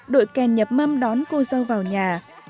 đội kèn nhập mâm đón cô dâu vào nhà